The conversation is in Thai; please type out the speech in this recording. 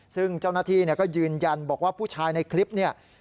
ซึ่งเจ้าหน้าที่ก็ยืนยันบอกว่าผู้ชายในคลิปเนี่ย